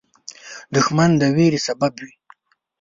دښمن د ویرې سبب وي